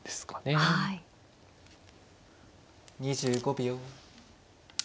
２５秒。